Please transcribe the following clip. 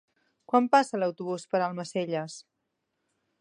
Quan passa l'autobús per Almacelles?